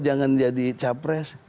jangan jadi capres